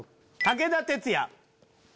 武田鉄矢。